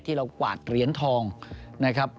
เรากวาดเหรียญทองนะครับ